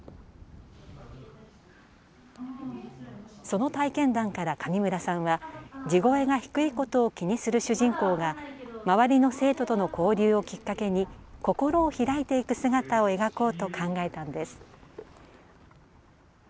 その体験談から上村さんは地声が低いことを気にする主人公が周りの生徒との交流をきっかけに心を開いていく姿を描こうと考えたのです。